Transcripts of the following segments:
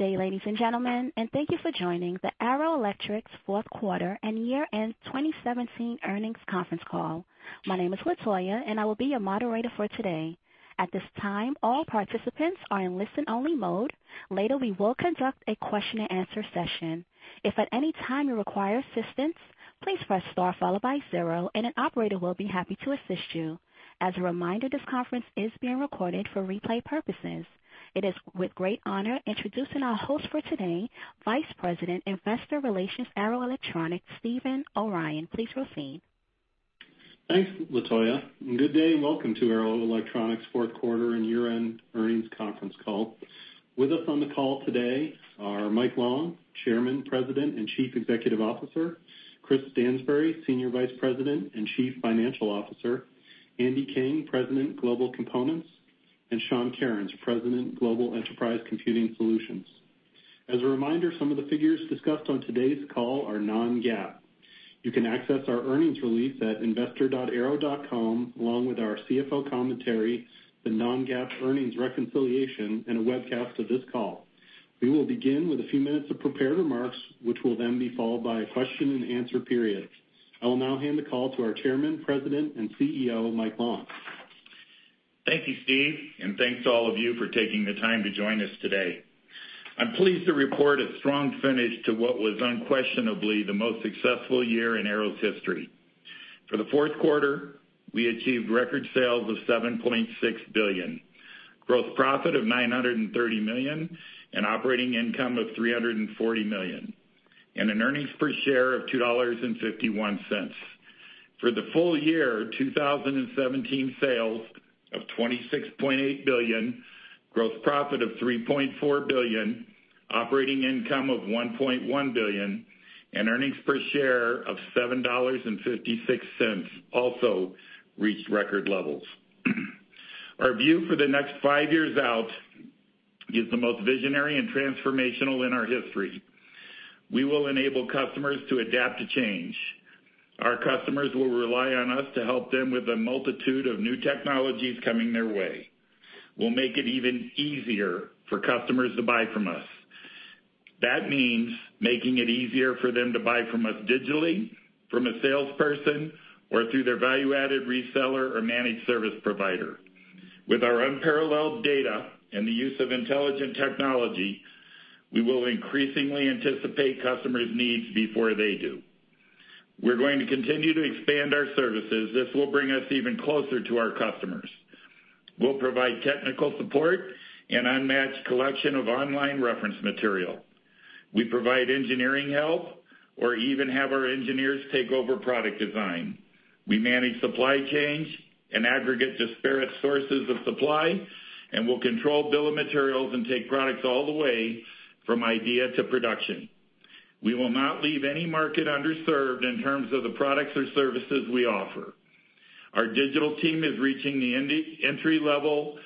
Good day, ladies and gentlemen, and thank you for joining the Arrow Electronics' fourth quarter and year-end 2017 earnings conference call. My name is Latoya, and I will be your moderator for today. At this time, all participants are in listen-only mode. Later, we will conduct a question-and-answer session. If at any time you require assistance, please press star followed by zero, and an operator will be happy to assist you. As a reminder, this conference is being recorded for replay purposes. It is with great honor introducing our host for today, Vice President, Investor Relations, Arrow Electronics, Steven O'Brien. Please proceed. Thanks, Latoya. Good day and welcome to Arrow Electronics' fourth quarter and year-end earnings conference call. With us on the call today are Mike Long, Chairman, President, and Chief Executive Officer; Chris Stansbury, Senior Vice President and Chief Financial Officer; Andy King, President, Global Components; and Sean Kerins, President, Global Enterprise Computing Solutions. As a reminder, some of the figures discussed on today's call are non-GAAP. You can access our earnings release at investor.arrow.com, along with our CFO commentary, the non-GAAP earnings reconciliation, and a webcast of this call. We will begin with a few minutes of prepared remarks, which will then be followed by a question-and-answer period. I will now hand the call to our Chairman, President, and CEO, Mike Long. Thank you, Steve, and thanks to all of you for taking the time to join us today. I'm pleased to report a strong finish to what was unquestionably the most successful year in Arrow's history. For the fourth quarter, we achieved record sales of $7.6 billion, gross profit of $930 million, and operating income of $340 million, and an earnings per share of $2.51. For the full year, 2017 sales of $26.8 billion, gross profit of $3.4 billion, operating income of $1.1 billion, and earnings per share of $7.56 also reached record levels. Our view for the next five years out is the most visionary and transformational in our history. We will enable customers to adapt to change. Our customers will rely on us to help them with a multitude of new technologies coming their way. We'll make it even easier for customers to buy from us. That means making it easier for them to buy from us digitally, from a salesperson, or through their value-added reseller or managed service provider. With our unparalleled data and the use of intelligent technology, we will increasingly anticipate customers' needs before they do. We're going to continue to expand our services. This will bring us even closer to our customers. We'll provide technical support and unmatched collection of online reference material. We provide engineering help or even have our engineers take over product design. We manage supply chain and aggregate disparate sources of supply, and we'll control bill of materials and take products all the way from idea to production. We will not leave any market underserved in terms of the products or services we offer. Our digital team is reaching the entry-level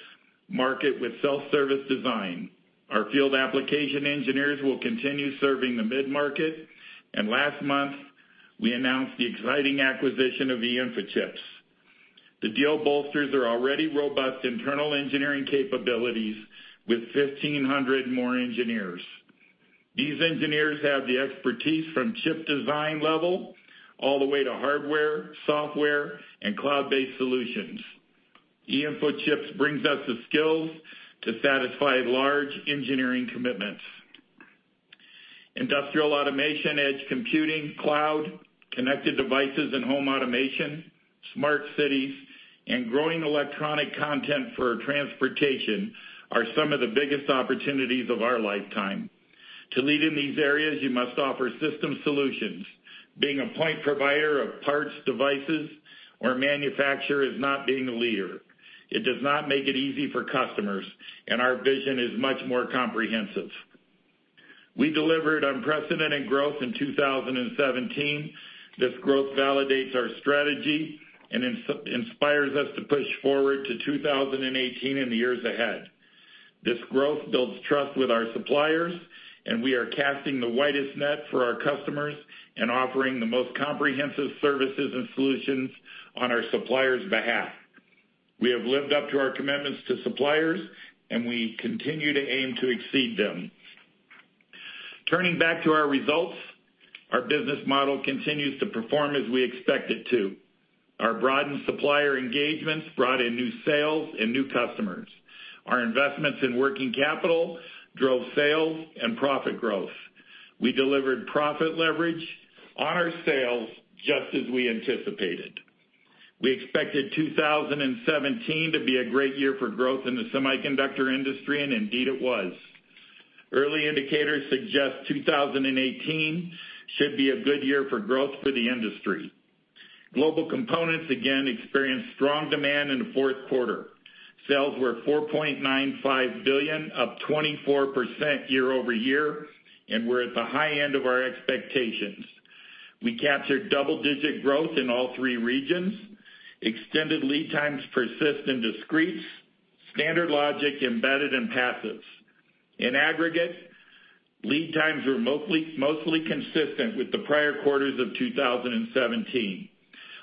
market with self-service design. Our field application engineers will continue serving the mid-market, and last month, we announced the exciting acquisition of eInfochips. The deal bolsters our already robust internal engineering capabilities with 1,500 more engineers. These engineers have the expertise from chip design level all the way to hardware, software, and cloud-based solutions. eInfochips brings us the skills to satisfy large engineering commitments. Industrial automation, edge computing, cloud, connected devices and home automation, smart cities, and growing electronic content for transportation are some of the biggest opportunities of our lifetime. To lead in these areas, you must offer system solutions. Being a point provider of parts, devices, or manufacture is not being a leader. It does not make it easy for customers, and our vision is much more comprehensive. We delivered unprecedented growth in 2017. This growth validates our strategy and inspires us to push forward to 2018 and the years ahead. This growth builds trust with our suppliers, and we are casting the widest net for our customers and offering the most comprehensive services and solutions on our suppliers' behalf. We have lived up to our commitments to suppliers, and we continue to aim to exceed them. Turning back to our results, our business model continues to perform as we expect it to. Our broadened supplier engagements brought in new sales and new customers. Our investments in working capital drove sales and profit growth. We delivered profit leverage on our sales just as we anticipated. We expected 2017 to be a great year for growth in the semiconductor industry, and indeed it was. Early indicators suggest 2018 should be a good year for growth for the industry. Global Components again experienced strong demand in the fourth quarter. Sales were $4.95 billion, up 24% year-over-year, and we're at the high end of our expectations. We captured double-digit growth in all three regions. Extended lead times persist in discretes, standard logic, embedded, and passives. In aggregate, lead times were mostly consistent with the prior quarters of 2017.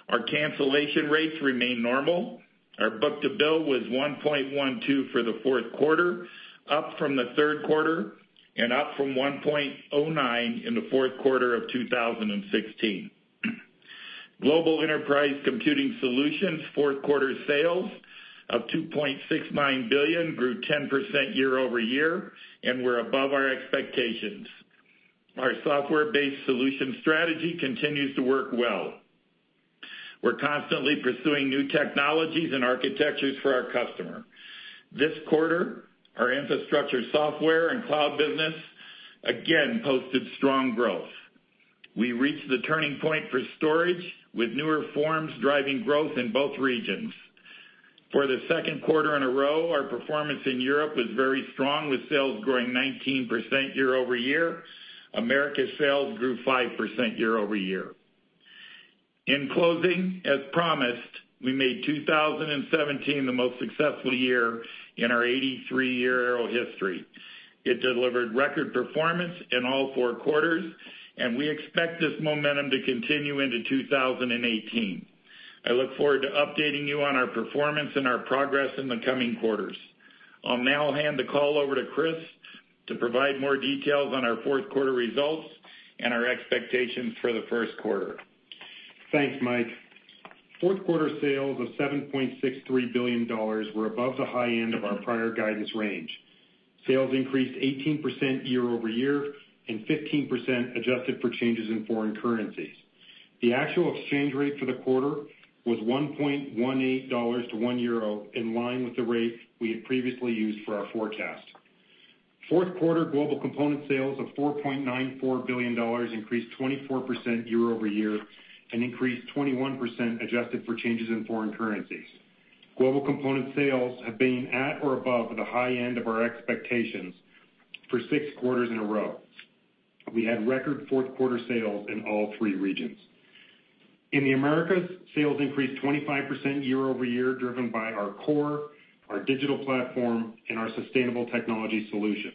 Our cancellation rates remain normal. Our book-to-bill was 1.12 for the fourth quarter, up from the third quarter and up from 1.09 in the fourth quarter of 2016. Global Enterprise Computing Solutions' fourth quarter sales of $2.69 billion grew 10% year-over-year, and we're above our expectations. Our software-based solution strategy continues to work well. We're constantly pursuing new technologies and architectures for our customer. This quarter, our infrastructure, software, and cloud business again posted strong growth. We reached the turning point for storage, with newer forms driving growth in both regions. For the second quarter in a row, our performance in Europe was very strong, with sales growing 19% year-over-year. Americas sales grew 5% year-over-year. In closing, as promised, we made 2017 the most successful year in our 83-year Arrow history. It delivered record performance in all four quarters, and we expect this momentum to continue into 2018. I look forward to updating you on our performance and our progress in the coming quarters. I'll now hand the call over to Chris to provide more details on our fourth quarter results and our expectations for the first quarter. Thanks, Mike. Fourth quarter sales of $7.63 billion were above the high end of our prior guidance range. Sales increased 18% year-over-year and 15% adjusted for changes in foreign currencies. The actual exchange rate for the quarter was $1.18 to 1 euro, in line with the rate we had previously used for our forecast. Fourth quarter Global Components sales of $4.94 billion increased 24% year-over-year and increased 21% adjusted for changes in foreign currencies. Global Components sales have been at or above the high end of our expectations for six quarters in a row. We had record fourth quarter sales in all three regions. In the Americas, sales increased 25% year-over-year, driven by our core, our digital platform, and our sustainable technology solutions.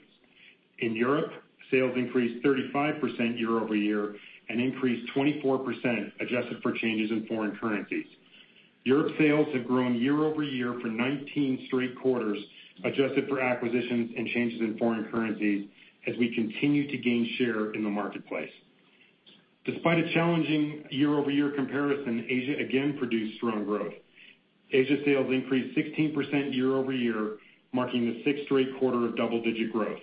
In Europe, sales increased 35% year-over-year and increased 24% adjusted for changes in foreign currencies. Europe sales have grown year-over-year for 19 straight quarters, adjusted for acquisitions and changes in foreign currencies, as we continue to gain share in the marketplace. Despite a challenging year-over-year comparison, Asia again produced strong growth. Asia sales increased 16% year-over-year, marking the sixth straight quarter of double-digit growth.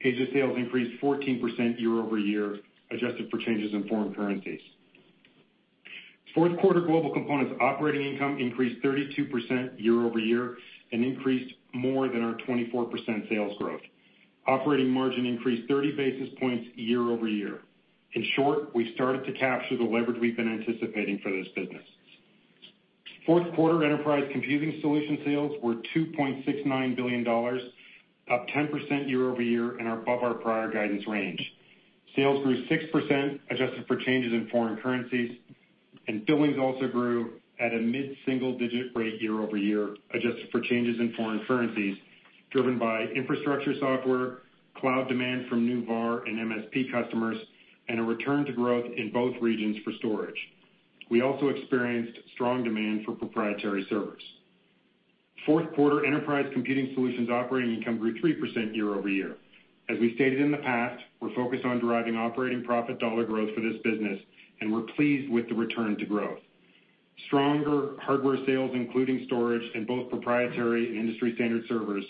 Asia sales increased 14% year-over-year, adjusted for changes in foreign currencies. Fourth quarter Global Components operating income increased 32% year-over-year and increased more than our 24% sales growth. Operating margin increased 30 basis points year-over-year. In short, we've started to capture the leverage we've been anticipating for this business. Fourth quarter Enterprise Computing Solutions sales were $2.69 billion, up 10% year-over-year and above our prior guidance range. Sales grew 6% adjusted for changes in foreign currencies, and billings also grew at a mid-single-digit rate year-over-year, adjusted for changes in foreign currencies, driven by infrastructure software, cloud demand from new VAR and MSP customers, and a return to growth in both regions for storage. We also experienced strong demand for proprietary servers. Fourth quarter Enterprise Computing Solutions operating income grew 3% year-over-year. As we stated in the past, we're focused on driving operating profit dollar growth for this business, and we're pleased with the return to growth. Stronger hardware sales, including storage and both proprietary and industry-standard servers,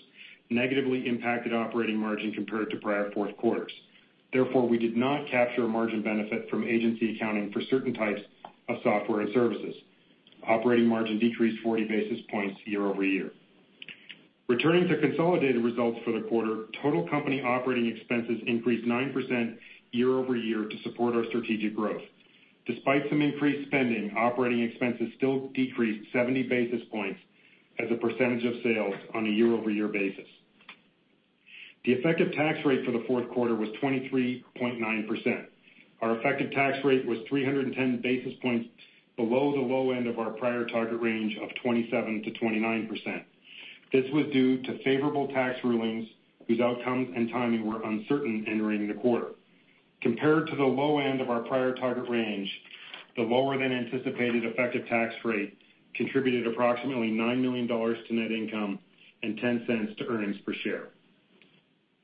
negatively impacted operating margin compared to prior fourth quarters. Therefore, we did not capture a margin benefit from agency accounting for certain types of software and services. Operating margin decreased 40 basis points year-over-year. Returning to consolidated results for the quarter, total company operating expenses increased 9% year-over-year to support our strategic growth. Despite some increased spending, operating expenses still decreased 70 basis points as a percentage of sales on a year-over-year basis. The effective tax rate for the fourth quarter was 23.9%. Our effective tax rate was 310 basis points below the low end of our prior target range of 27%-29%. This was due to favorable tax rulings whose outcomes and timing were uncertain entering the quarter. Compared to the low end of our prior target range, the lower-than-anticipated effective tax rate contributed approximately $9 million to net income and $0.10 to earnings per share.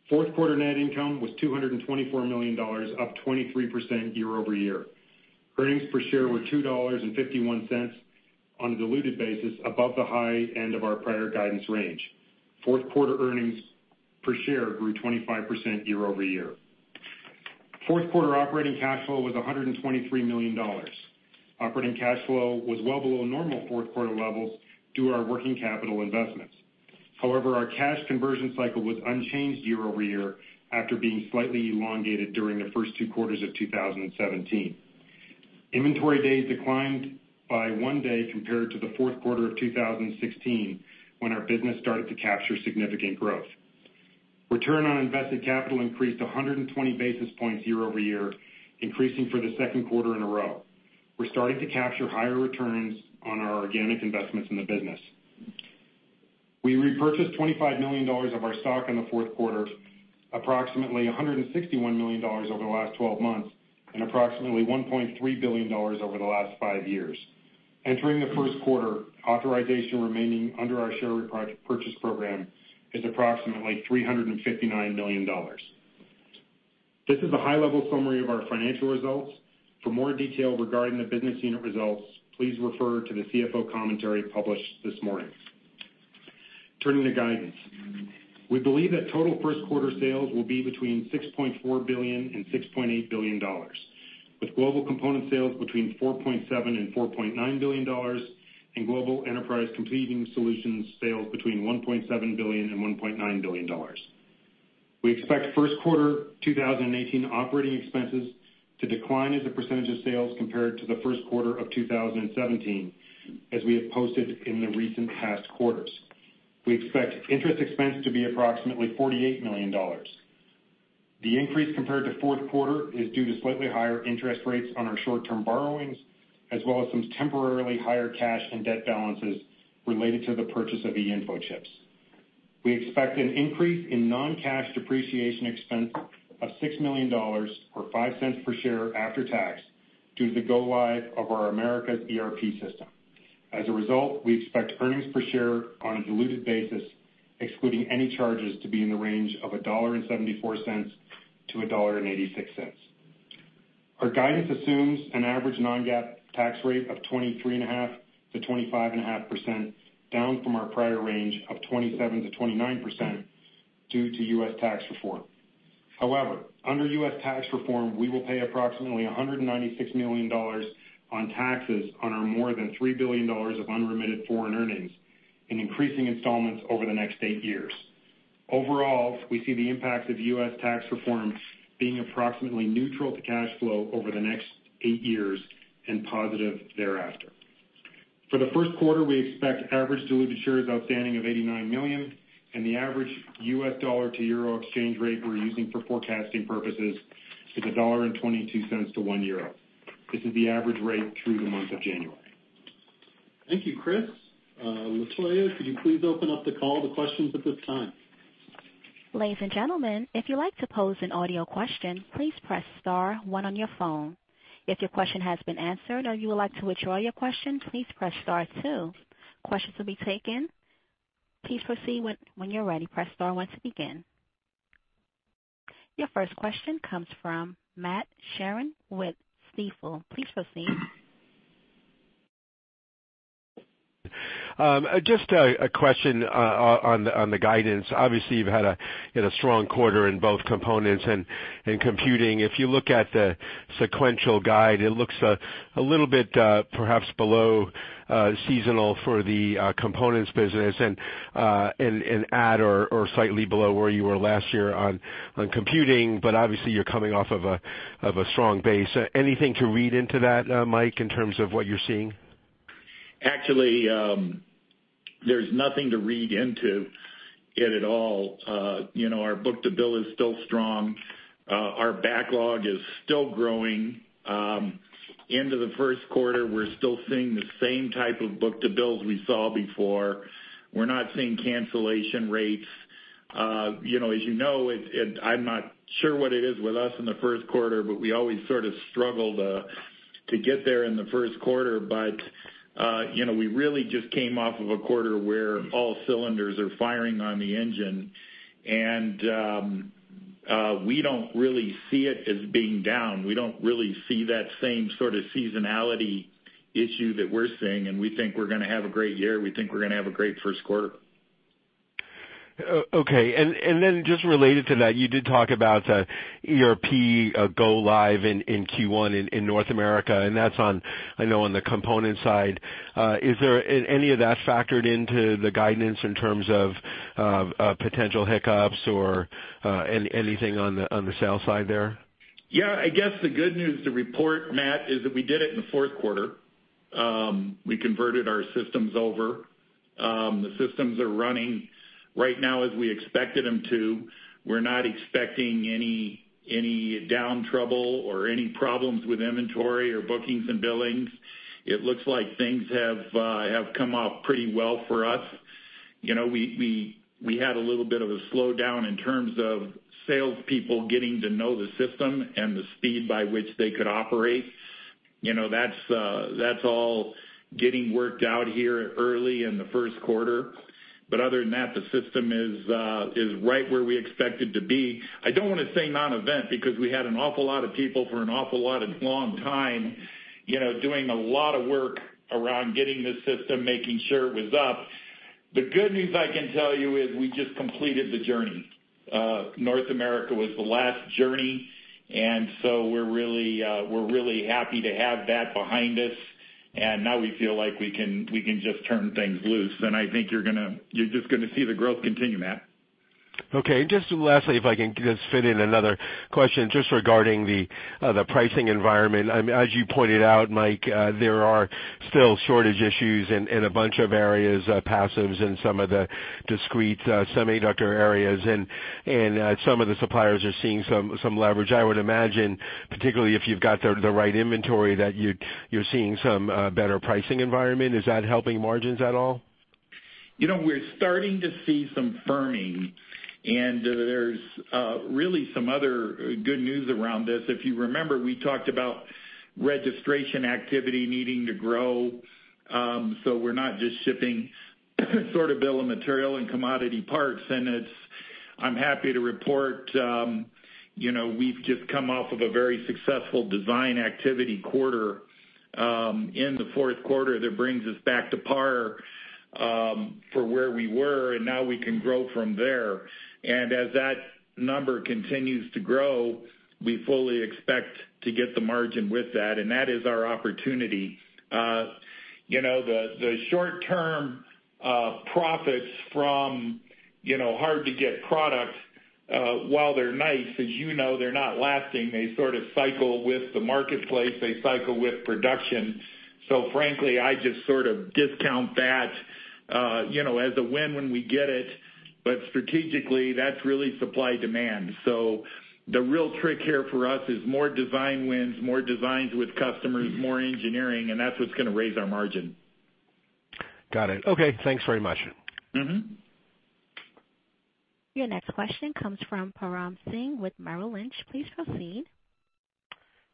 Fourth quarter net income was $224 million, up 23% year-over-year. Earnings per share were $2.51 on a diluted basis, above the high end of our prior guidance range. Fourth quarter earnings per share grew 25% year-over-year. Fourth quarter operating cash flow was $123 million. Operating cash flow was well below normal fourth quarter levels due to our working capital investments. However, our cash conversion cycle was unchanged year-over-year after being slightly elongated during the first two quarters of 2017. Inventory days declined by one day compared to the fourth quarter of 2016, when our business started to capture significant growth. Return on invested capital increased 120 basis points year-over-year, increasing for the second quarter in a row. We're starting to capture higher returns on our organic investments in the business. We repurchased $25 million of our stock in the fourth quarter, approximately $161 million over the last 12 months, and approximately $1.3 billion over the last five years. Entering the first quarter, authorization remaining under our share repurchase program is approximately $359 million. This is a high-level summary of our financial results. For more detail regarding the business unit results, please refer to the CFO commentary published this morning. Turning to guidance, we believe that total first quarter sales will be between $6.4-$6.8 billion, with Global Components sales between $4.7-$4.9 billion, and Global Enterprise Computing Solutions sales between $1.7-$1.9 billion. We expect first quarter 2018 operating expenses to decline as a percentage of sales compared to the first quarter of 2017, as we have posted in the recent past quarters. We expect interest expense to be approximately $48 million. The increase compared to fourth quarter is due to slightly higher interest rates on our short-term borrowings, as well as some temporarily higher cash and debt balances related to the purchase of eInfochips. We expect an increase in non-cash depreciation expense of $6 million or $0.05 per share after tax due to the go-live of our Americas ERP system. As a result, we expect earnings per share on a diluted basis, excluding any charges, to be in the range of $1.74-$1.86. Our guidance assumes an average Non-GAAP tax rate of 23.5%-25.5%, down from our prior range of 27%-29% due to U.S. tax reform. However, under U.S. tax reform, we will pay approximately $196 million on taxes on our more than $3 billion of unremitted foreign earnings and increasing installments over the next eight years. Overall, we see the impacts of U.S. tax reform being approximately neutral to cash flow over the next eight years and positive thereafter. For the first quarter, we expect average diluted shares outstanding of 89 million, and the average U.S. Dollar to euro exchange rate we're using for forecasting purposes is $1.22 to 1 euro. This is the average rate through the month of January. Thank you, Chris. Latoya, could you please open up the call to questions at this time? Ladies and gentlemen, if you'd like to pose an audio question, please press star one on your phone. If your question has been answered or you would like to withdraw your question, please press star two. Questions will be taken. Please proceed when you're ready. Press star one to begin. Your first question comes from Matt Sheerin with Stifel. Please proceed. Just a question on the guidance. Obviously, you've had a strong quarter in both components and computing. If you look at the sequential guide, it looks a little bit perhaps below seasonal for the components business and at or slightly below where you were last year on computing, but obviously, you're coming off of a strong base. Anything to read into that, Mike, in terms of what you're seeing? Actually, there's nothing to read into it at all. Our book-to-bill is still strong. Our backlog is still growing. Into the first quarter, we're still seeing the same type of book-to-bills we saw before. We're not seeing cancellation rates. As you know, I'm not sure what it is with us in the first quarter, but we always sort of struggle to get there in the first quarter. But we really just came off of a quarter where all cylinders are firing on the engine, and we don't really see it as being down. We don't really see that same sort of seasonality issue that we're seeing, and we think we're going to have a great year. We think we're going to have a great first quarter. Okay. And then just related to that, you did talk about ERP go-live in Q1 in North America, and that's on, I know, on the component side. Is there any of that factored into the guidance in terms of potential hiccups or anything on the sales side there? Yeah. I guess the good news to report, Matt, is that we did it in the fourth quarter. We converted our systems over. The systems are running right now as we expected them to. We're not expecting any down trouble or any problems with inventory or bookings and billings. It looks like things have come off pretty well for us. We had a little bit of a slowdown in terms of salespeople getting to know the system and the speed by which they could operate. That's all getting worked out here early in the first quarter. But other than that, the system is right where we expected to be. I don't want to say non-event because we had an awful lot of people for an awful lot of long time doing a lot of work around getting this system, making sure it was up. The good news I can tell you is we just completed the journey. North America was the last journey, and so we're really happy to have that behind us, and now we feel like we can just turn things loose. I think you're just going to see the growth continue, Matt. Okay. Just lastly, if I can just fit in another question just regarding the pricing environment. As you pointed out, Mike, there are still shortage issues in a bunch of areas, passives and some of the discrete semiconductor areas, and some of the suppliers are seeing some leverage. I would imagine, particularly if you've got the right inventory, that you're seeing some better pricing environment. Is that helping margins at all? We're starting to see some firming, and there's really some other good news around this. If you remember, we talked about registration activity needing to grow, so we're not just shipping sort of bill of material and commodity parts. I'm happy to report we've just come off of a very successful design activity quarter. In the fourth quarter, that brings us back to par for where we were, and now we can grow from there. As that number continues to grow, we fully expect to get the margin with that, and that is our opportunity. The short-term profits from hard-to-get products, while they're nice, as you know, they're not lasting. They sort of cycle with the marketplace. They cycle with production. Frankly, I just sort of discount that as a win when we get it, but strategically, that's really supply-demand. So the real trick here for us is more design wins, more designs with customers, more engineering, and that's what's going to raise our margin. Got it. Okay. Thanks very much. Your next question comes from Param Singh with Merrill Lynch. Please proceed.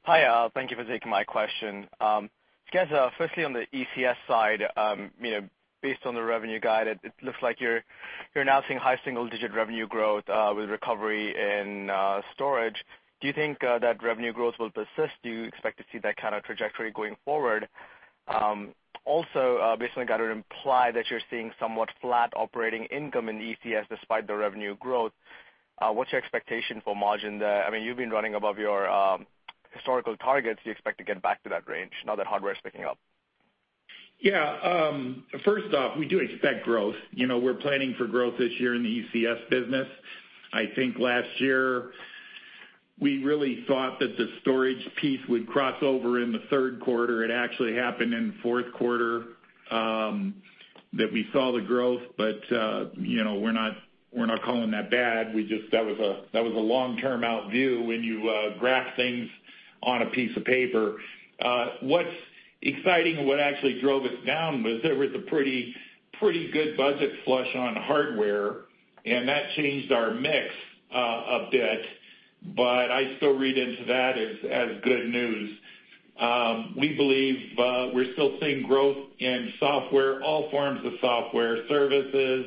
Hi. Thank you for taking my question. Firstly, on the ECS side, based on the revenue guide, it looks like you're announcing high single-digit revenue growth with recovery in storage. Do you think that revenue growth will persist? Do you expect to see that kind of trajectory going forward? Also, based on the guide, it would imply that you're seeing somewhat flat operating income in ECS despite the revenue growth. What's your expectation for margin there? I mean, you've been running above your historical targets. Do you expect to get back to that range now that hardware is picking up? Yeah. First off, we do expect growth. We're planning for growth this year in the ECS business. I think last year, we really thought that the storage piece would cross over in the third quarter. It actually happened in the fourth quarter that we saw the growth, but we're not calling that bad. That was a long-term outlook when you graph things on a piece of paper. What's exciting and what actually drove us down was there was a pretty good budget flush on hardware, and that changed our mix a bit, but I still read into that as good news. We believe we're still seeing growth in software, all forms of software, services,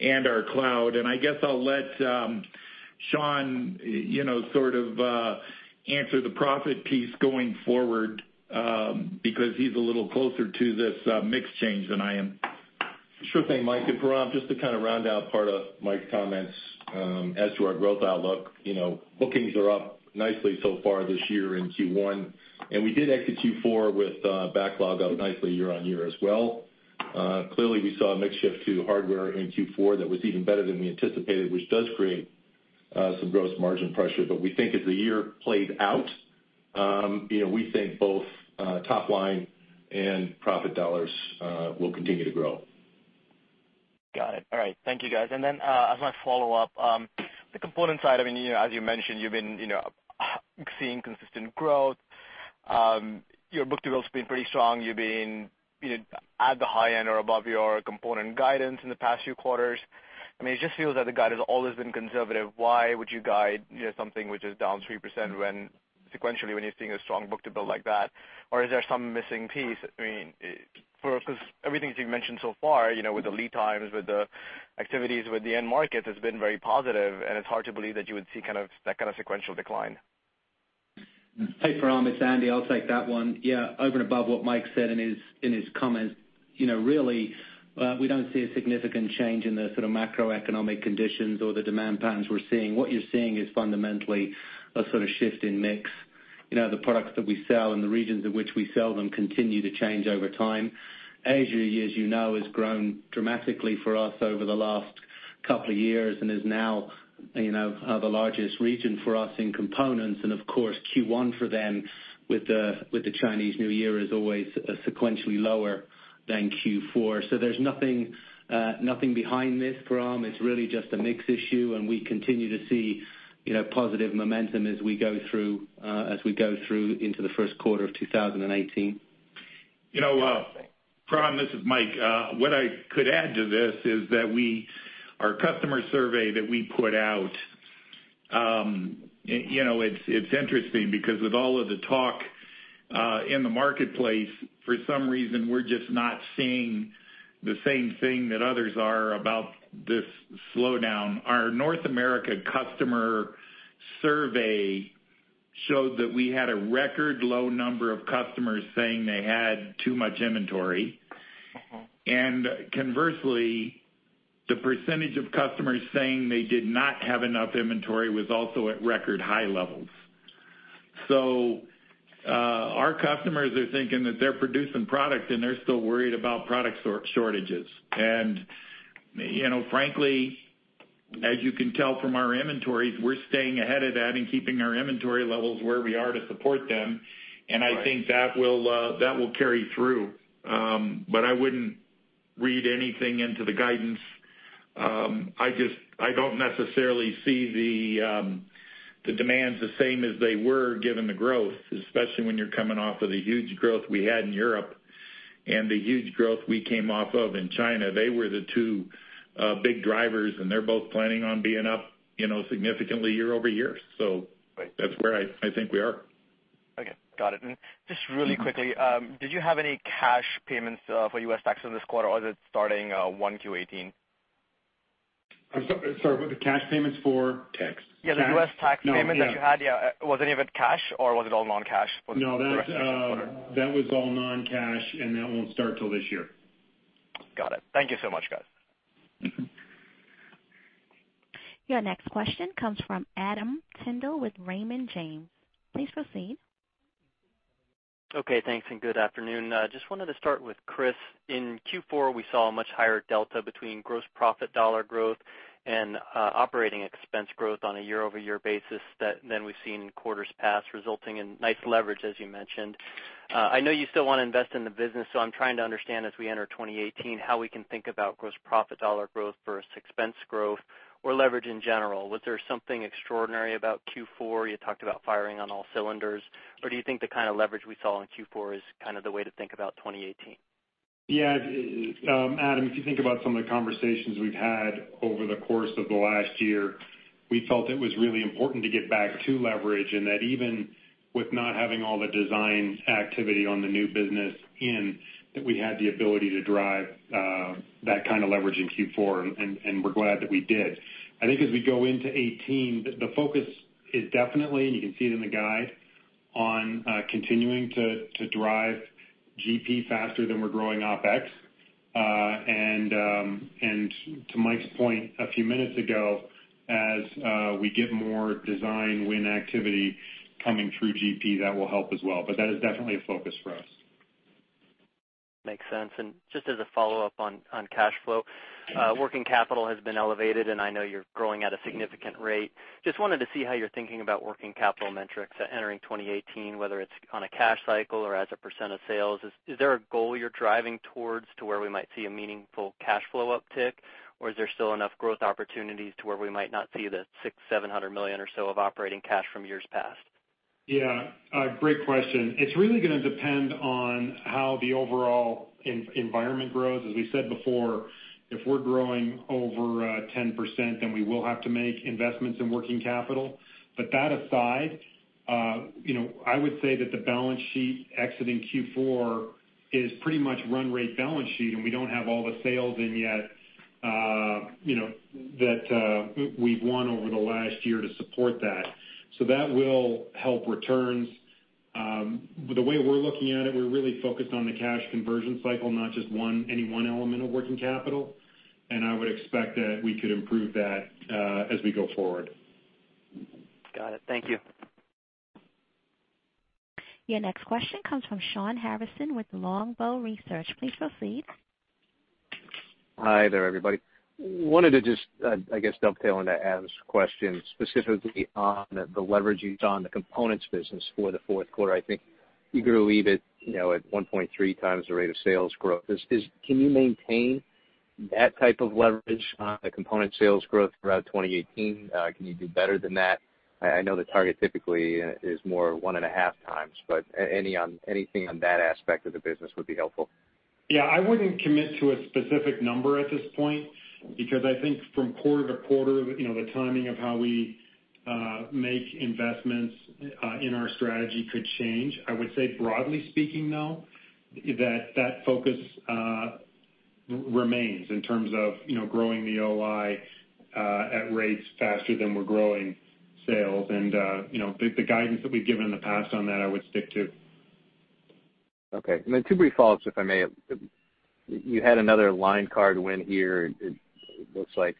and our cloud. And I guess I'll let Sean sort of answer the profit piece going forward because he's a little closer to this mix change than I am. Sure thing, Mike. And Param, just to kind of round out part of Mike's comments as to our growth outlook, bookings are up nicely so far this year in Q1, and we did exit Q4 with backlog up nicely year-on-year as well. Clearly, we saw a mix shift to hardware in Q4 that was even better than we anticipated, which does create some gross margin pressure. But we think as the year plays out, we think both top line and profit dollars will continue to grow. Got it. All right. Thank you, guys. And then as my follow-up, the component side, I mean, as you mentioned, you've been seeing consistent growth. Your book-to-bill has been pretty strong. You've been at the high end or above your component guidance in the past few quarters. I mean, it just feels that the guide has always been conservative. Why would you guide something which is down 3% sequentially when you're seeing a strong book-to-bill like that? Or is there some missing piece? I mean, because everything you've mentioned so far with the lead times, with the activities, with the end markets has been very positive, and it's hard to believe that you would see that kind of sequential decline. Hey, Param, it's Andy. I'll take that one. Yeah. Over and above what Mike said in his comments, really, we don't see a significant change in the sort of macroeconomic conditions or the demand patterns we're seeing. What you're seeing is fundamentally a sort of shift in mix. The products that we sell and the regions in which we sell them continue to change over time. Asia, as you know, has grown dramatically for us over the last couple of years and is now the largest region for us in components. And of course, Q1 for them with the Chinese New Year is always sequentially lower than Q4. So there's nothing behind this, Param. It's really just a mix issue, and we continue to see positive momentum as we go through into the first quarter of 2018. Param, this is Mike. What I could add to this is that our customer survey that we put out, it's interesting because with all of the talk in the marketplace, for some reason, we're just not seeing the same thing that others are about this slowdown. Our North America customer survey showed that we had a record low number of customers saying they had too much inventory. And conversely, the percentage of customers saying they did not have enough inventory was also at record high levels. So our customers are thinking that they're producing product, and they're still worried about product shortages. And frankly, as you can tell from our inventories, we're staying ahead of that and keeping our inventory levels where we are to support them, and I think that will carry through. But I wouldn't read anything into the guidance. I don't necessarily see the demands the same as they were given the growth, especially when you're coming off of the huge growth we had in Europe and the huge growth we came off of in China. They were the two big drivers, and they're both planning on being up significantly year-over-year. That's where I think we are. Okay. Got it. And just really quickly, did you have any cash payments for U.S. tax in this quarter, or is it starting 1Q18? I'm sorry. What are the cash payments for? Tax. Yeah. The U.S. tax payment that you had, yeah, was any of it cash, or was it all non-cash? No. That was all non-cash, and that won't start till this year. Got it. Thank you so much, guys. Your next question comes from Adam Tindle with Raymond James. Please proceed. Okay. Thanks, and good afternoon. Just wanted to start with Chris. In Q4, we saw a much higher delta between gross profit dollar growth and operating expense growth on a year-over-year basis than we've seen in quarters past, resulting in nice leverage, as you mentioned. I know you still want to invest in the business, so I'm trying to understand as we enter 2018 how we can think about gross profit dollar growth versus expense growth or leverage in general. Was there something extraordinary about Q4? You talked about firing on all cylinders. Or do you think the kind of leverage we saw in Q4 is kind of the way to think about 2018? Yeah. Adam, if you think about some of the conversations we've had over the course of the last year, we felt it was really important to get back to leverage and that even with not having all the design activity on the new business in, that we had the ability to drive that kind of leverage in Q4, and we're glad that we did. I think as we go into 2018, the focus is definitely, and you can see it in the guide, on continuing to drive GP faster than we're growing OPEX. And to Mike's point a few minutes ago, as we get more design win activity coming through GP, that will help as well. But that is definitely a focus for us. Makes sense. Just as a follow-up on cash flow, working capital has been elevated, and I know you're growing at a significant rate. Just wanted to see how you're thinking about working capital metrics entering 2018, whether it's on a cash cycle or as a % of sales. Is there a goal you're driving towards to where we might see a meaningful cash flow uptick, or is there still enough growth opportunities to where we might not see the $600 million-$700 million or so of operating cash from years past? Yeah. Great question. It's really going to depend on how the overall environment grows. As we said before, if we're growing over 10%, then we will have to make investments in working capital. But that aside, I would say that the balance sheet exiting Q4 is pretty much run rate balance sheet, and we don't have all the sales in yet that we've won over the last year to support that. So that will help returns. The way we're looking at it, we're really focused on the cash conversion cycle, not just any one element of working capital. And I would expect that we could improve that as we go forward. Got it. Thank you. Your next question comes from Shawn Harrison with Longbow Research. Please proceed. Hi there, everybody. Wanted to just, I guess, dovetail into Adam's question specifically on the leverage you saw in the components business for the fourth quarter. I think you grew EBIT at 1.3 times the rate of sales growth. Can you maintain that type of leverage on the component sales growth throughout 2018? Can you do better than that? I know the target typically is more 1.5 times, but anything on that aspect of the business would be helpful. Yeah. I wouldn't commit to a specific number at this point because I think from quarter to quarter, the timing of how we make investments in our strategy could change. I would say, broadly speaking, though, that that focus remains in terms of growing the OI at rates faster than we're growing sales. And the guidance that we've given in the past on that, I would stick to. Okay. And then two brief follow-ups, if I may. You had another line card win here. It looks like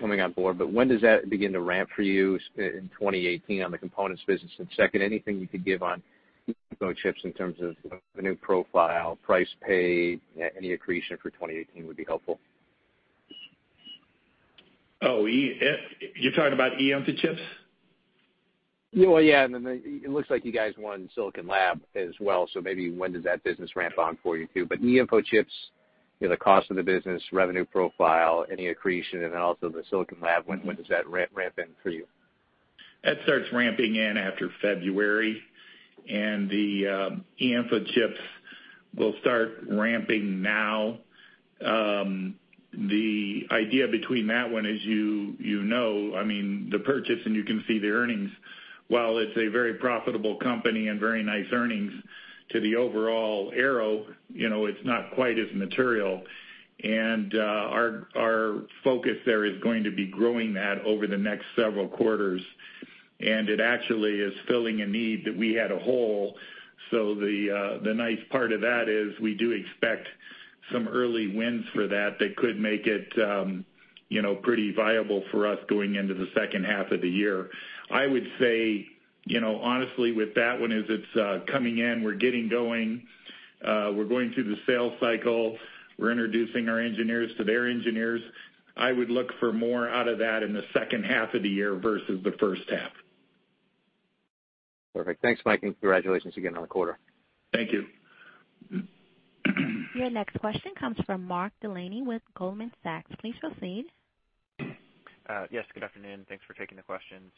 coming on board. But when does that begin to ramp for you in 2018 on the components business? And second, anything you could give on chips in terms of the new profile, price paid, any accretion for 2018 would be helpful. Oh, you're talking about eInfochips? Yeah. Well, yeah. And then it looks like you guys won Silicon Labs as well. So maybe when does that business ramp on for you too? But eInfochips, the cost of the business, revenue profile, any accretion, and then also the Silicon Labs, when does that ramp in for you? That starts ramping in after February, and the eInfochips will start ramping now. The idea between that one is, you know, I mean, the purchase, and you can see the earnings. While it's a very profitable company and very nice earnings to the overall Arrow, it's not quite as material. And our focus there is going to be growing that over the next several quarters. And it actually is filling a need that we had a hole. So the nice part of that is we do expect some early wins for that that could make it pretty viable for us going into the second half of the year. I would say, honestly, with that one as it's coming in, we're getting going. We're going through the sales cycle. We're introducing our engineers to their engineers. I would look for more out of that in the second half of the year versus the first half. Perfect. Thanks, Mike. And congratulations again on the quarter. Thank you. Your next question comes from Mark Delaney with Goldman Sachs. Please proceed. Yes. Good afternoon. Thanks for taking the questions.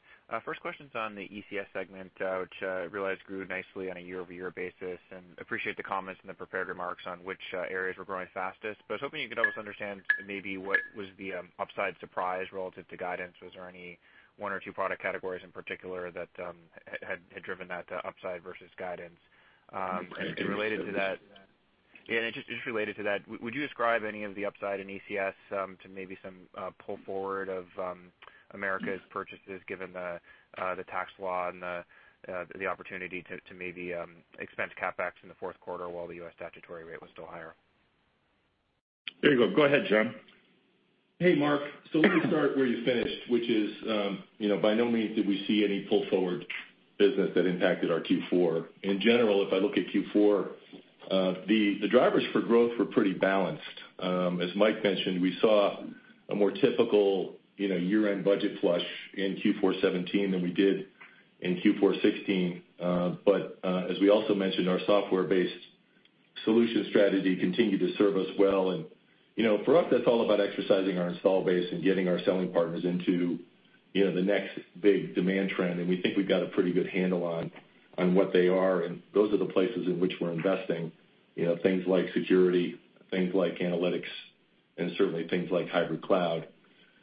First question's on the ECS segment, which I realize grew nicely on a year-over-year basis. Appreciate the comments and the prepared remarks on which areas were growing fastest. But hoping you could help us understand maybe what was the upside surprise relative to guidance. Was there any one or two product categories in particular that had driven that upside versus guidance? And related to that, yeah, and just related to that, would you describe any of the upside in ECS to maybe some pull forward of Americas' purchases given the tax law and the opportunity to maybe expense CapEx in the fourth quarter while the U.S. statutory rate was still higher? There you go. Go ahead, Sean. Hey, Mark. So let me start where you finished, which is by no means did we see any pull forward business that impacted our Q4. In general, if I look at Q4, the drivers for growth were pretty balanced. As Mike mentioned, we saw a more typical year-end budget flush in Q417 than we did in Q416. But as we also mentioned, our software-based solution strategy continued to serve us well. And for us, that's all about exercising our install base and getting our selling partners into the next big demand trend. And we think we've got a pretty good handle on what they are. And those are the places in which we're investing, things like security, things like analytics, and certainly things like hybrid cloud.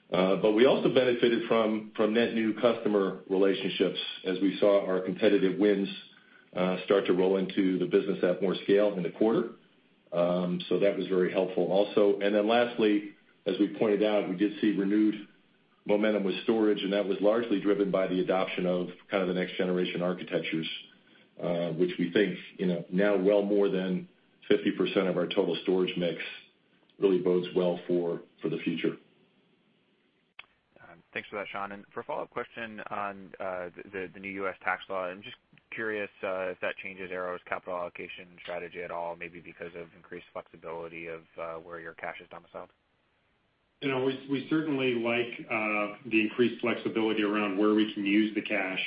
But we also benefited from net new customer relationships as we saw our competitive wins start to roll into the business at more scale in the quarter. So that was very helpful also. And then lastly, as we pointed out, we did see renewed momentum with storage, and that was largely driven by the adoption of kind of the next generation architectures, which we think now well more than 50% of our total storage mix really bodes well for the future. Thanks for that, Sean. For a follow-up question on the new U.S. tax law, I'm just curious if that changes Arrow's capital allocation strategy at all, maybe because of increased flexibility of where your cash is domiciled. We certainly like the increased flexibility around where we can use the cash.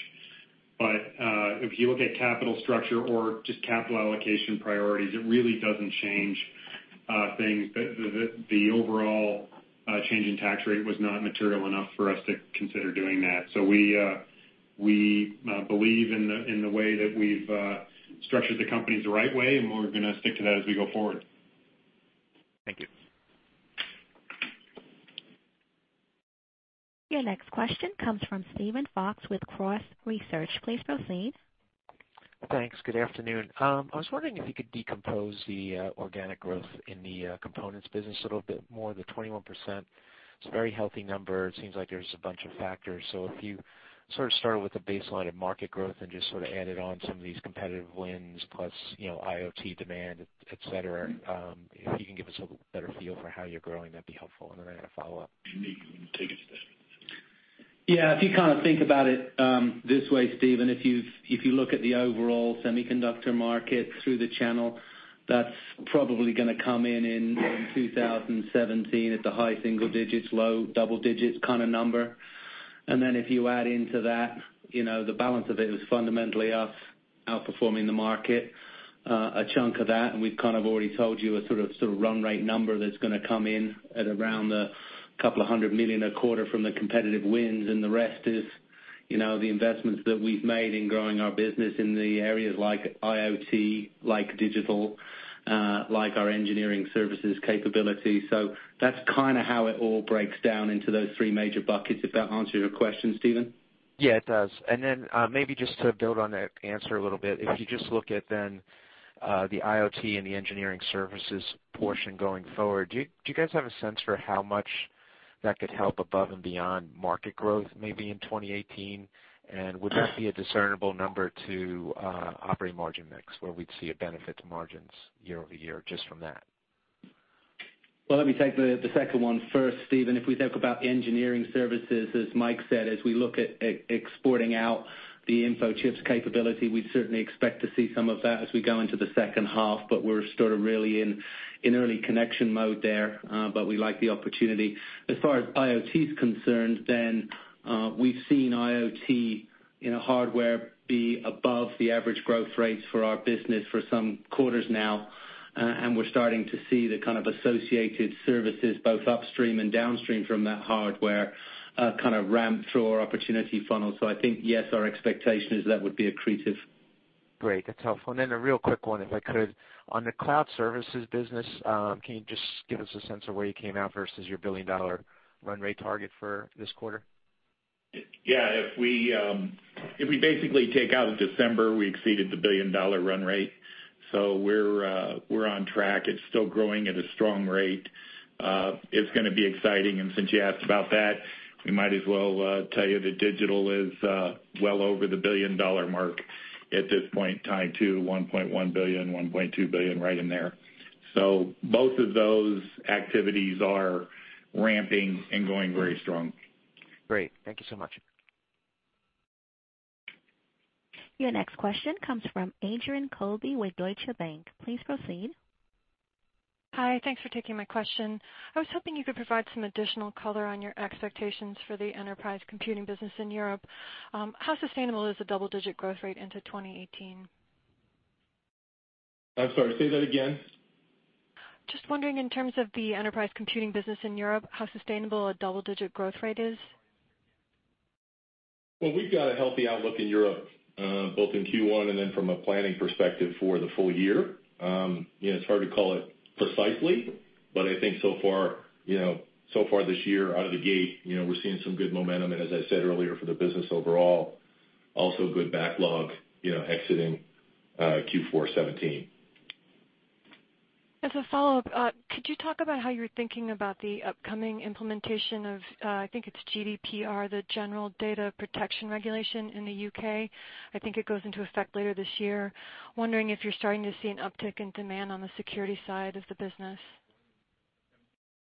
But if you look at capital structure or just capital allocation priorities, it really doesn't change things. But the overall change in tax rate was not material enough for us to consider doing that. So we believe in the way that we've structured the companies the right way, and we're going to stick to that as we go forward. Thank you. Your next question comes from Steven Fox with Cross Research. Please proceed. Thanks. Good afternoon. I was wondering if you could decompose the organic growth in the components business a little bit more. The 21%, it's a very healthy number. It seems like there's a bunch of factors. So if you sort of started with a baseline of market growth and just sort of added on some of these competitive wins plus IoT demand, etc., if you can give us a better feel for how you're growing, that'd be helpful. And then I had a follow-up. Unique tickets. Yeah. If you kind of think about it this way, Steven, if you look at the overall semiconductor market through the channel, that's probably going to come in in 2017 at the high single digits, low double digits kind of number. And then if you add into that the balance of it was fundamentally us outperforming the market, a chunk of that, and we've kind of already told you a sort of run rate number that's going to come in at around $200 million a quarter from the competitive wins. And the rest is the investments that we've made in growing our business in the areas like IoT, like digital, like our engineering services capability. So that's kind of how it all breaks down into those three major buckets, if that answers your question, Steven. Yeah, it does. And then maybe just to build on that answer a little bit, if you just look at then the IoT and the engineering services portion going forward, do you guys have a sense for how much that could help above and beyond market growth maybe in 2018? And would that be a discernible number to operating margin mix where we'd see a benefit to margins year over year just from that? Well, let me take the second one first, Steven. If we talk about engineering services, as Mike said, as we look at exporting out the elnfochips capability, we'd certainly expect to see some of that as we go into the second half. But we're sort of really in early connection mode there, but we like the opportunity. As far as IoT is concerned, then we've seen IoT hardware be above the average growth rates for our business for some quarters now. And we're starting to see the kind of associated services, both upstream and downstream from that hardware, kind of ramp through our opportunity funnel. So I think, yes, our expectation is that would be accretive. Great. That's helpful. And then a real quick one, if I could. On the cloud services business, can you just give us a sense of where you came out versus your billion-dollar run rate target for this quarter? Yeah. If we basically take out of December, we exceeded the $1 billion run rate. So we're on track. It's still growing at a strong rate. It's going to be exciting. And since you asked about that, we might as well tell you that digital is well over the $1 billion mark at this point in time too, $1.1 billion, $1.2 billion, right in there. So both of those activities are ramping and going very strong. Great. Thank you so much. Your next question comes from Adrienne Colby with Deutsche Bank. Please proceed. Hi. Thanks for taking my question. I was hoping you could provide some additional color on your expectations for the enterprise computing business in Europe. How sustainable is the double-digit growth rate into 2018? I'm sorry. Say that again. Just wondering in terms of the enterprise computing business in Europe, how sustainable a double-digit growth rate is? Well, we've got a healthy outlook in Europe, both in Q1 and then from a planning perspective for the full year. It's hard to call it precisely, but I think so far this year, out of the gate, we're seeing some good momentum. As I said earlier, for the business overall, also good backlog exiting Q417. As a follow-up, could you talk about how you're thinking about the upcoming implementation of, I think it's GDPR, the General Data Protection Regulation in the U.K.? I think it goes into effect later this year. Wondering if you're starting to see an uptick in demand on the security side of the business.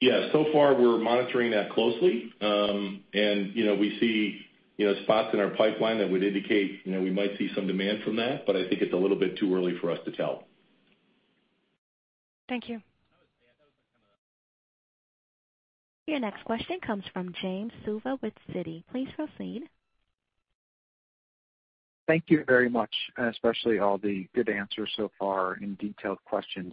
Yeah. So far, we're monitoring that closely. We see spots in our pipeline that would indicate we might see some demand from that, but I think it's a little bit too early for us to tell. Thank you. Your next question comes from Jim Suva with Citi. Please proceed. Thank you very much, especially all the good answers so far and detailed questions.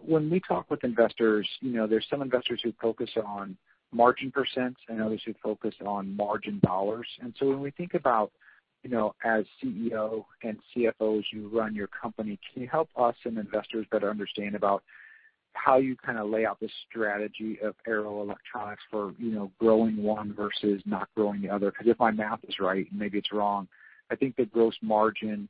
When we talk with investors, there's some investors who focus on margin % and others who focus on margin dollars. And so when we think about, as CEO and CFOs, you run your company, can you help us and investors better understand about how you kind of lay out the strategy of Arrow Electronics for growing one versus not growing the other? Because if my math is right, maybe it's wrong, I think the gross margin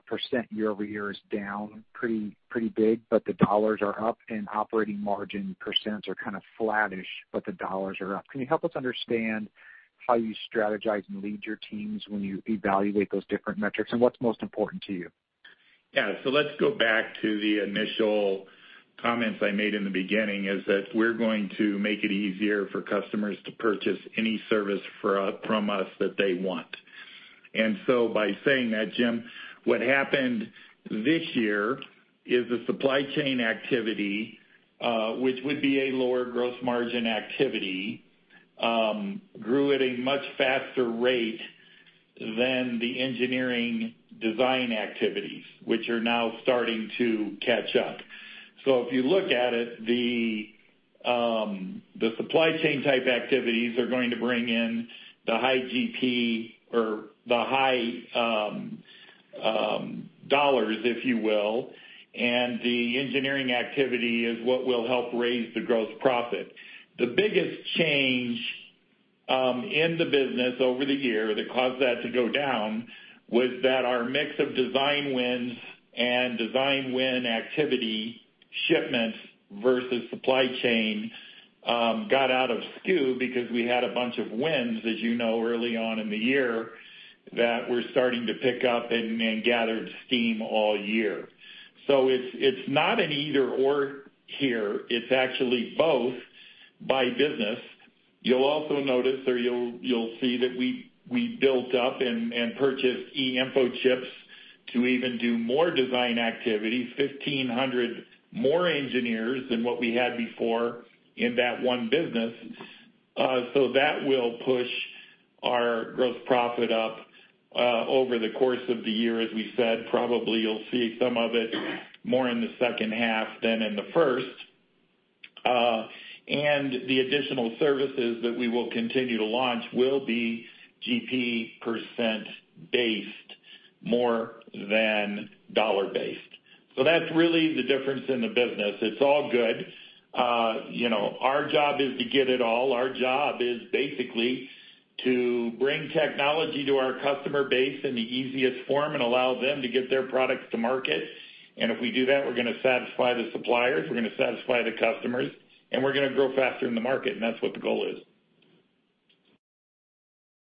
% year-over-year is down pretty big, but the dollars are up. And operating margin % are kind of flattish, but the dollars are up. Can you help us understand how you strategize and lead your teams when you evaluate those different metrics? And what's most important to you? Yeah. So let's go back to the initial comments I made in the beginning, is that we're going to make it easier for customers to purchase any service from us that they want. And so by saying that, Jim, what happened this year is the supply chain activity, which would be a lower gross margin activity, grew at a much faster rate than the engineering design activities, which are now starting to catch up. So if you look at it, the supply chain type activities are going to bring in the high GP or the high dollars, if you will. And the engineering activity is what will help raise the gross profit. The biggest change in the business over the year that caused that to go down was that our mix of design wins and design win activity shipments versus supply chain got out of skew because we had a bunch of wins, as you know, early on in the year that were starting to pick up and gathered steam all year. So it's not an either/or here. It's actually both by business. You'll also notice or you'll see that we built up and purchased elnfochips to even do more design activity, 1,500 more engineers than what we had before in that one business. So that will push our gross profit up over the course of the year. As we said, probably you'll see some of it more in the second half than in the first. The additional services that we will continue to launch will be GP percent based, more than dollar based. So that's really the difference in the business. It's all good. Our job is to get it all. Our job is basically to bring technology to our customer base in the easiest form and allow them to get their products to market. And if we do that, we're going to satisfy the suppliers, we're going to satisfy the customers, and we're going to grow faster in the market. And that's what the goal is.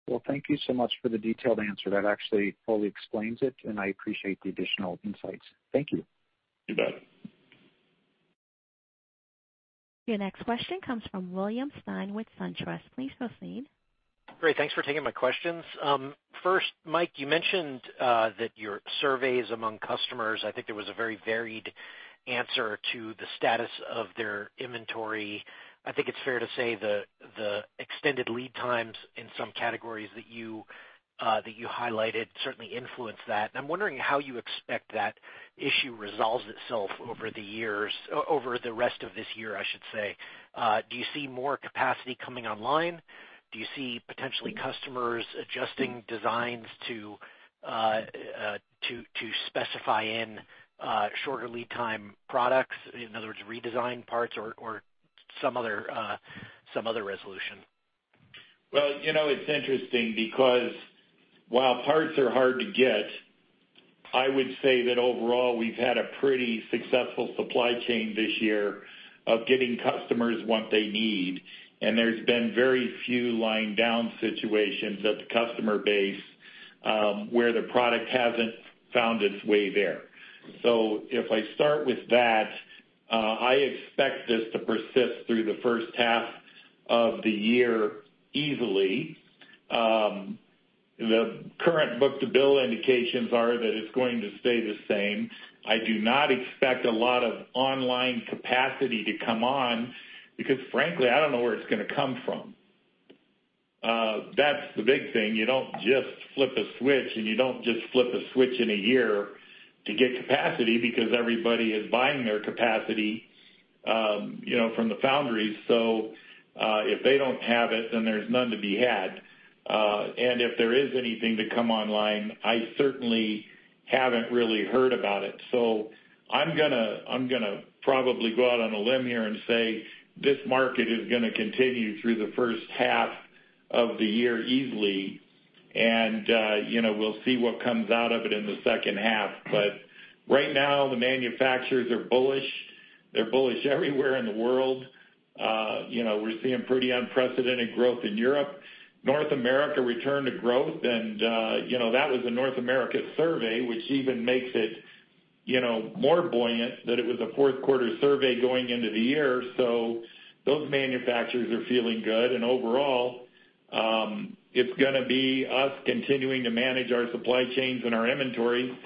Well, thank you so much for the detailed answer. That actually fully explains it, and I appreciate the additional insights. Thank you. You bet. Your next question comes from William Stein with SunTrust. Please proceed. Great. Thanks for taking my questions. First, Mike, you mentioned that your surveys among customers, I think there was a very varied answer to the status of their inventory. I think it's fair to say the extended lead times in some categories that you highlighted certainly influenced that. And I'm wondering how you expect that issue resolves itself over the years, over the rest of this year, I should say. Do you see more capacity coming online? Do you see potentially customers adjusting designs to specify in shorter lead time products? In other words, redesign parts or some other resolution? Well, it's interesting because while parts are hard to get, I would say that overall we've had a pretty successful supply chain this year of getting customers what they need. And there's been very few line down situations at the customer base where the product hasn't found its way there. So if I start with that, I expect this to persist through the first half of the year easily. The current book-to-bill indications are that it's going to stay the same. I do not expect a lot of on-line capacity to come on because, frankly, I don't know where it's going to come from. That's the big thing. You don't just flip a switch, and you don't just flip a switch in a year to get capacity because everybody is buying their capacity from the foundries. So if they don't have it, then there's none to be had. If there is anything to come online, I certainly haven't really heard about it. So I'm going to probably go out on a limb here and say this market is going to continue through the first half of the year easily. And we'll see what comes out of it in the second half. But right now, the manufacturers are bullish. They're bullish everywhere in the world. We're seeing pretty unprecedented growth in Europe. North America returned to growth, and that was a North America survey, which even makes it more buoyant that it was a fourth quarter survey going into the year. So those manufacturers are feeling good. And overall, it's going to be us continuing to manage our supply chains and our inventory.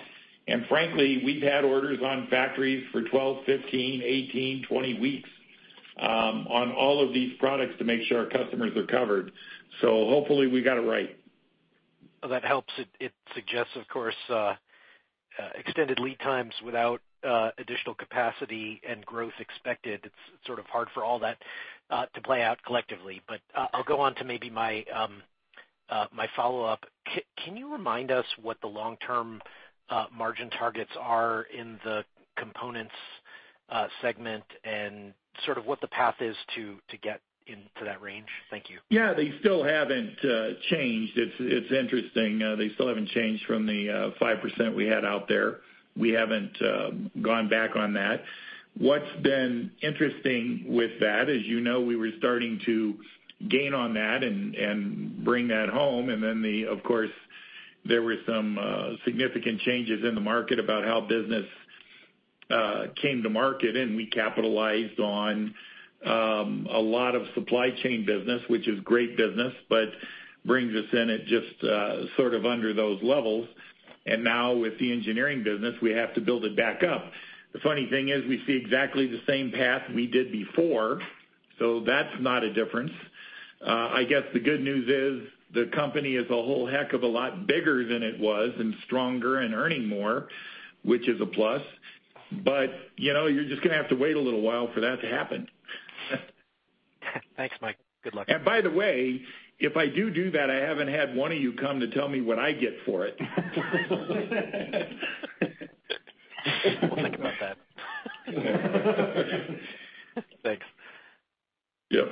And frankly, we've had orders on factories for 12, 15, 18, 20 weeks on all of these products to make sure our customers are covered. Hopefully we got it right. Well, that helps. It suggests, of course, extended lead times without additional capacity and growth expected. It's sort of hard for all that to play out collectively. But I'll go on to maybe my follow-up. Can you remind us what the long-term margin targets are in the components segment and sort of what the path is to get into that range? Thank you. Yeah. They still haven't changed. It's interesting. They still haven't changed from the 5% we had out there. We haven't gone back on that. What's been interesting with that is we were starting to gain on that and bring that home. And then, of course, there were some significant changes in the market about how business came to market. And we capitalized on a lot of supply chain business, which is great business, but brings us in at just sort of under those levels. And now with the engineering business, we have to build it back up. The funny thing is we see exactly the same path we did before. So that's not a difference. I guess the good news is the company is a whole heck of a lot bigger than it was and stronger and earning more, which is a plus. But you're just going to have to wait a little while for that to happen. Thanks, Mike. Good luck. By the way, if I do do that, I haven't had one of you come to tell me what I get for it. We'll think about that. Thanks. Yep.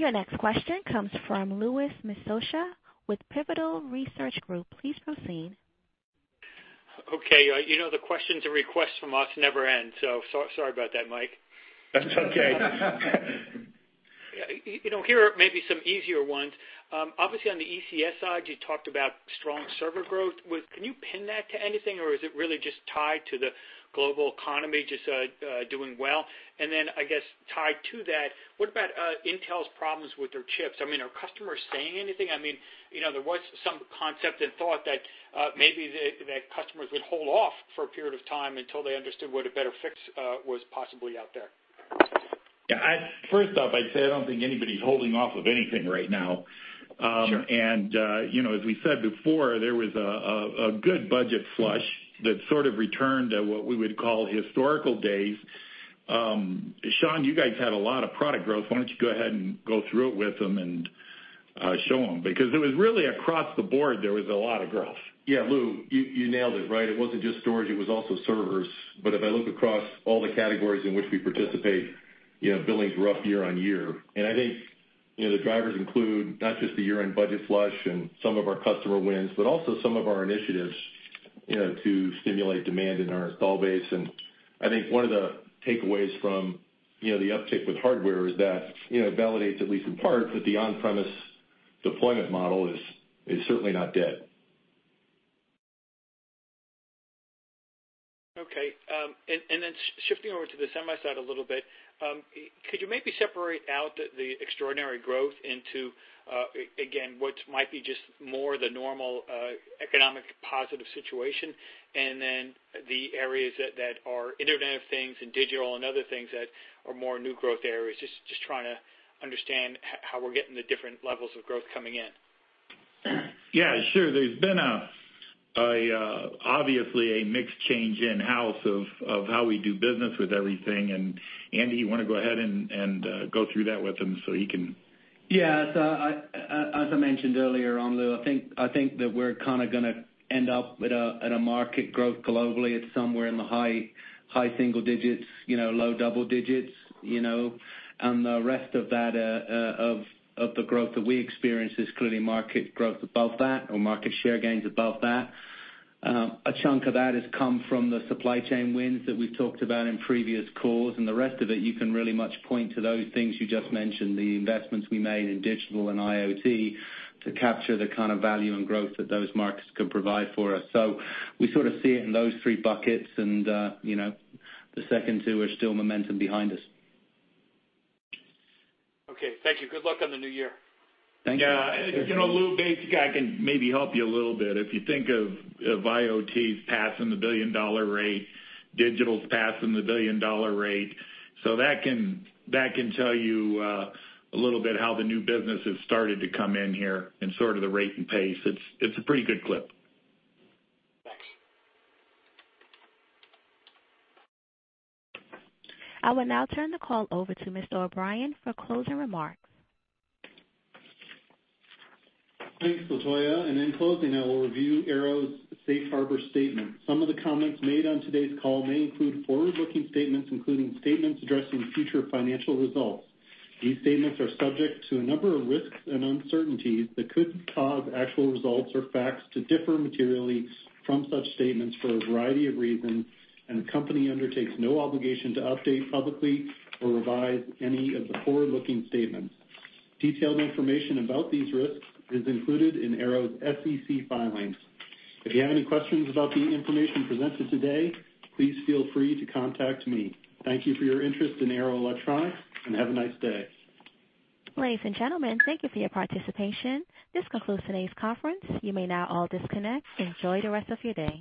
Your next question comes from Lou Miscioscia with Pivotal Research Group. Please proceed. Okay. The questions and requests from us never end. So sorry about that, Mike. That's okay. Here are maybe some easier ones. Obviously, on the ECS side, you talked about strong server growth. Can you pin that to anything, or is it really just tied to the global economy just doing well? And then I guess tied to that, what about Intel's problems with their chips? I mean, are customers saying anything? I mean, there was some concept and thought that maybe that customers would hold off for a period of time until they understood what a better fix was possibly out there. Yeah. First off, I'd say I don't think anybody's holding off of anything right now. And as we said before, there was a good budget flush that sort of returned to what we would call historical days. Sean, you guys had a lot of product growth. Why don't you go ahead and go through it with them and show them? Because it was really across the board, there was a lot of growth. Yeah, Lou, you nailed it, right? It wasn't just storage. It was also servers. But if I look across all the categories in which we participate, billings rough year-over-year. And I think the drivers include not just the year-end budget flush and some of our customer wins, but also some of our initiatives to stimulate demand in our installed base. And I think one of the takeaways from the uptick with hardware is that it validates, at least in part, that the on-premise deployment model is certainly not dead. Okay. And then shifting over to the semi side a little bit, could you maybe separate out the extraordinary growth into, again, what might be just more the normal economic positive situation, and then the areas that are Internet of Things and digital and other things that are more new growth areas, just trying to understand how we're getting the different levels of growth coming in? Yeah, sure. There's been obviously a mix change in-house of how we do business with everything. And Andy, you want to go ahead and go through that with them so he can? Yeah. As I mentioned earlier, Lou, I think that we're kind of going to end up at a market growth globally. It's somewhere in the high single digits, low double digits. And the rest of that of the growth that we experience is clearly market growth above that or market share gains above that. A chunk of that has come from the supply chain wins that we've talked about in previous calls. And the rest of it, you can really much point to those things you just mentioned, the investments we made in digital and IoT to capture the kind of value and growth that those markets could provide for us. So we sort of see it in those three buckets. And the second two are still momentum behind us. Okay. Thank you. Good luck on the new year. Thank you. Yeah. Lou, maybe I can maybe help you a little bit. If you think of IoT's passing the $1 billion-dollar rate, digital's passing the $1 billion-dollar rate, so that can tell you a little bit how the new business has started to come in here and sort of the rate and pace. It's a pretty good clip. Thanks. I will now turn the call over to Mr. O'Brien for closing remarks. Thanks, Latoya. In closing, I will review Arrow's Safe Harbor statement. Some of the comments made on today's call may include forward-looking statements, including statements addressing future financial results. These statements are subject to a number of risks and uncertainties that could cause actual results or facts to differ materially from such statements for a variety of reasons, and the company undertakes no obligation to update publicly or revise any of the forward-looking statements. Detailed information about these risks is included in Arrow's SEC filings. If you have any questions about the information presented today, please feel free to contact me. Thank you for your interest in Arrow Electronics, and have a nice day. Ladies and gentlemen, thank you for your participation. This concludes today's conference. You may now all disconnect. Enjoy the rest of your day.